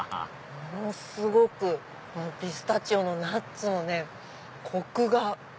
ものすごくピスタチオのナッツのコクが。